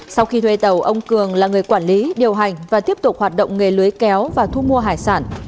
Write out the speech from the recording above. sau khi thuê tàu ông cường là người quản lý điều hành và tiếp tục hoạt động nghề lưới kéo và thu mua hải sản